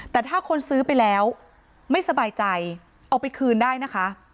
แต่ถ้าคนซื้อไปแล้วไม่สบายใจเอาไปคืนได้นะคะ